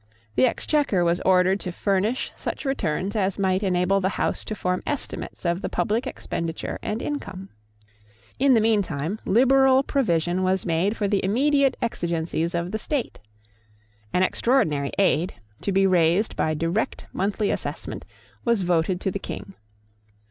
The Exchequer was ordered to furnish such returns as might enable the House to form estimates of the public expenditure and income. In the meantime, liberal provision was made for the immediate exigencies of the state. An extraordinary aid, to be raised by direct monthly assessment, was voted to the King.